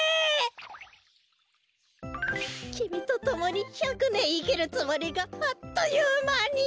きみとともに１００ねんいきるつもりがあっというまに。